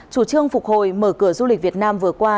chủ trương phục hồi mở cửa du lịch việt nam vừa qua